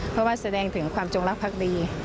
เพราะว่าแสดงถึงความจงลักษณ์พรรคดี